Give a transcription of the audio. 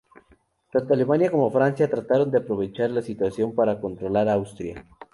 Tanto Alemania como Francia trataron de aprovechar la situación para controlar Austria.